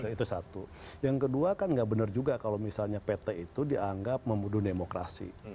itu satu yang kedua kan nggak benar juga kalau misalnya pt itu dianggap membunuh demokrasi